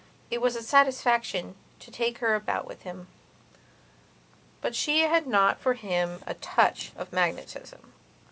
It was a satisfaction to take her about with him. But she had not for him a touch of magnetism.